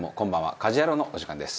『家事ヤロウ！！！』のお時間です。